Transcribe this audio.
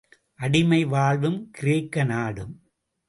அடிமை வாழ்வும் கிரேக்க நாடும்.